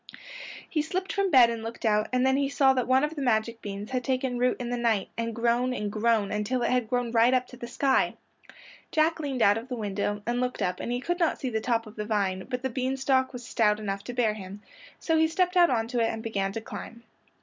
He slipped from bed and looked out, and then he saw that one of the magic beans had taken root in the night and grown and grown until it had grown right up to the sky. Jack leaned out of the window and looked up and he could not see the top of the vine, but the bean stalk was stout enough to bear him, so he stepped out onto it and began to climb.